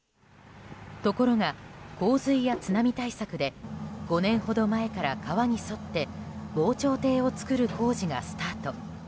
ところが、洪水や津波対策で５年ほど前から川に沿って防潮堤を作る工事がスタート。